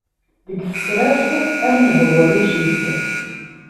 Deg tesraft ar neγbu rric-is!